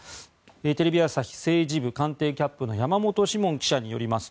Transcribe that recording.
テレビ朝日政治部官邸キャップの山本志門記者によりますと